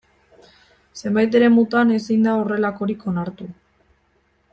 Zenbait eremutan ezin da horrelakorik onartu.